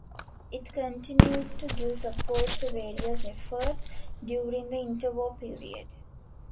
It continued to give support to various efforts during the interwar period.